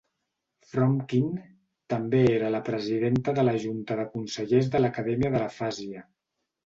Fromkin també era la presidenta de la junta de consellers de l'Acadèmia de l'Afàsia.